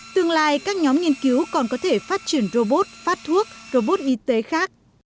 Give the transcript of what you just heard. tương lai các nhóm nghiên cứu còn có thể phát triển robot phát thuốc robot y tế khác